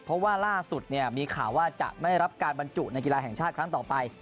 เพราะว่าล่าสุดมีข่าวว่าจะไม่ได้รับการบรรจุในกีฬาแห่งชาติครั้งต่อไป